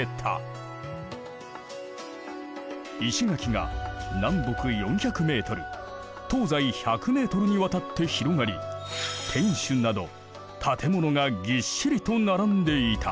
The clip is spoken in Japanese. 石垣が南北４００メートル東西１００メートルにわたって広がり天守など建物がぎっしりと並んでいた。